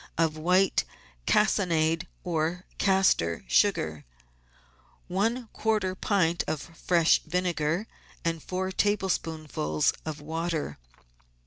of white cassonade or castor sugar, one quarter pint of fresh vinegar, and four tablespoonfuls of water.